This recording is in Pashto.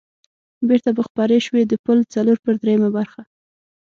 بېرته به خپرې شوې، د پل څلور پر درېمه برخه.